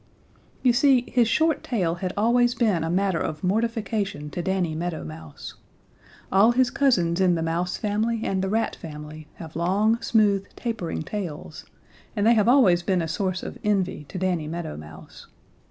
You see his short tail had always been a matter of mortification to Danny Meadow Mouse. All his cousins in the Mouse family and the Rat family have long, smooth, tapering tails, and they have always been a source of envy to Danny Meadow Mouse.